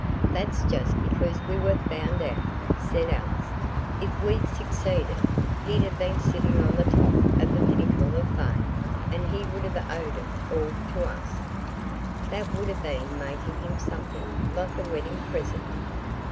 '" "That's just because we were found out," said Alice. "If we'd succeeded he'd have been sitting on the top of the pinnacle of Fame, and he would have owed it all to us. That would have been making him something like a wedding present."